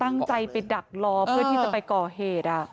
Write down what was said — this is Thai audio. ตั้งใจไปดักรอเพื่อที่จะไปก่อเหตุ